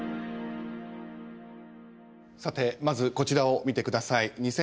さてまずこちらを見て下さい。